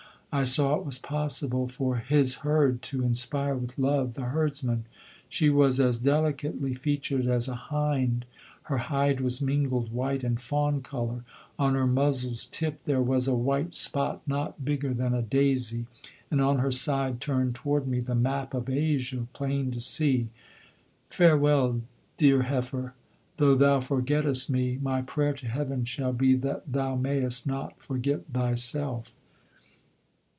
I saw it was possible for his herd to inspire with love the herdsman. She was as delicately featured as a hind; her hide was mingled white and fawn color; on her muzzle's tip there was a white spot not bigger than a daisy; and on her side turned toward me the map of Asia plain to see. Farewell, dear heifer! though thou forgettest me, my prayer to heaven shall be that thou may'st not forget thyself.